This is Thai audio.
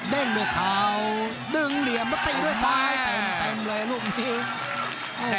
ด้วยเข่าดึงเหลี่ยมแล้วตีด้วยซ้ายเต็มเลยลูกนี้